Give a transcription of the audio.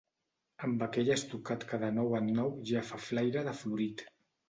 Amb aquell estucat que de nou en nou ja fa flaira de florit